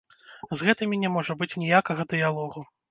З гэтымі не можа быць ніякага дыялогу.